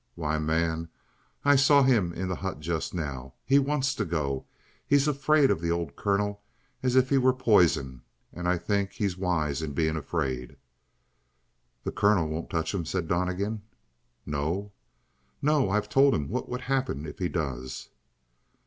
Why, man, I saw him in the hut just now. He wants to go. He's afraid of the old colonel as if he were poison and I think he's wise in being afraid." "The colonel won't touch him," said Donnegan. "No?" "No. I've told him what would happen if he does."